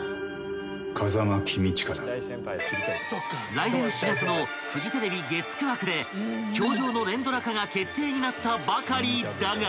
［来年４月のフジテレビ月９枠で『教場』の連ドラ化が決定になったばかりだが］